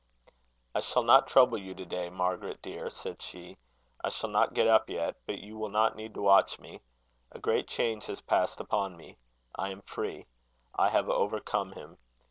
"I shall not trouble you to day, Margaret, dear," said she. "I shall not get up yet, but you will not need to watch me. A great change has passed upon me. I am free. I have overcome him.